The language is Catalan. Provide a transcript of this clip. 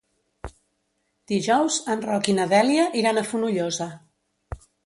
Dijous en Roc i na Dèlia iran a Fonollosa.